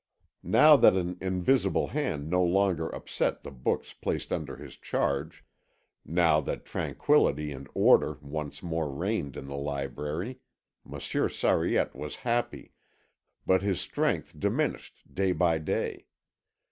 Now that an invisible hand no longer upset the books placed under his charge, now that tranquillity and order once more reigned in the library, Monsieur Sariette was happy, but his strength diminished day by day.